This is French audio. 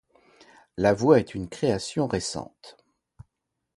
La voie est une création récente.